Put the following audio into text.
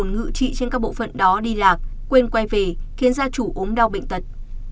ngự trị trên các bộ phận đó đi lạc quên quay về khiến gia chủ ốm đau bệnh tật